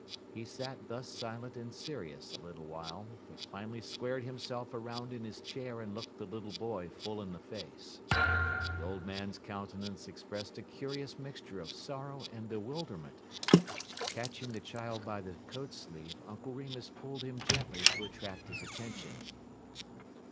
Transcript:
He sat thus silent and serious a little while, but finally squared himself around in his chair and looked the little boy full in the face. The old man's countenance expressed a curious mixture of sorrow and bewilderment. Catching the child by the coat sleeve, Uncle Remus pulled him gently to attract his attention.